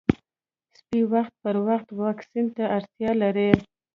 سپي وخت پر وخت واکسین ته اړتیا لري.